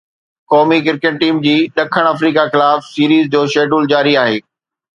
قومي cricket team جي ڏکڻ آفريڪا خلاف سيريز جو شيڊول جاري آهي